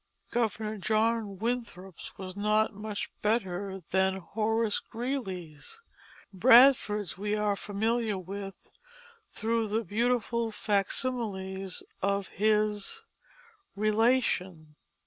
Governor John Winthrop's was not much better than Horace Greeley's. Bradford's we are familiar with through the beautiful facsimiles of his Relation.